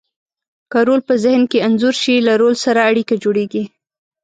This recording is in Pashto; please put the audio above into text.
که رول په ذهن کې انځور شي، له رول سره اړیکه جوړیږي.